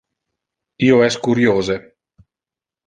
Io es curiose.